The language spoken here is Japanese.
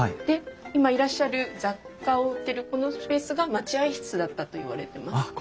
で今いらっしゃる雑貨を売ってるこのスペースが待合室だったといわれてます。